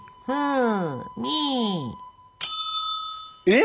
えっ？